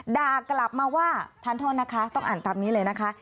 ด่ากลับมาว่าทานโทษนะคะต้องอ่านตามนี้เลยนะคะ